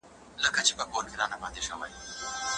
آیا توره تر چاقو اوږده ده؟